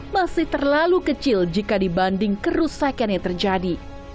masih terlalu kecil jika dibanding kerusakan yang terjadi